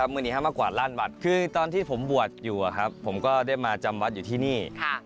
มึงกว่านานบาทคือตอนที่ผมบัวผมก็ได้มาจำวัดอยู่ที่นี่